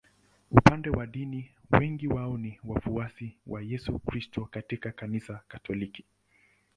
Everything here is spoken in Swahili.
Upande wa dini wengi wao ni wafuasi wa Yesu Kristo katika Kanisa Katoliki.